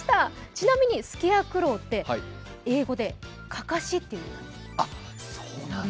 ちなみにスケアクロウって英語で「かかし」っていう意味なんですって。